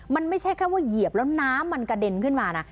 มันไม่ใช่แค่ว่าเหยียบแล้วน้ำมันกระเด็นขึ้นมานะ